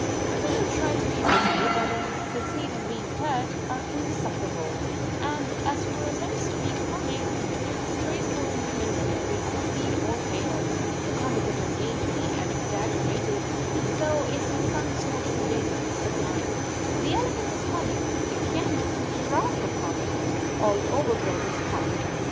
Women who try to be witty, but only succeed in being pert, are insufferable; and as for attempts to be comic they are disgraceful in women whether they succeed or fail. The comic is ungainly and exaggerated, and so is in some sort related to the sublime. The elephant is comic, the camel and the giraffe are comic, all overgrowth is comic.